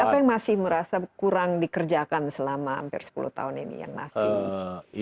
apa yang masih merasa kurang dikerjakan selama hampir sepuluh tahun ini yang masih